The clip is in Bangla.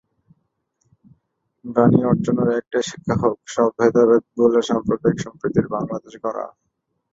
বাণী অর্চনার একটাই শিক্ষা হোক—সব ভেদাভেদ ভুলে সাম্প্রদায়িক সম্প্রীতির বাংলাদেশ গড়া।